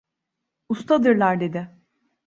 Ustadırlar… dedi.